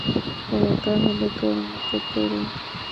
ওহ, তাহল তোর মত তরুণ।